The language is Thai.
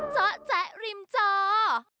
เจ้าแจ๊กริมเจ้า